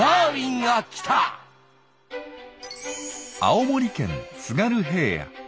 青森県津軽平野。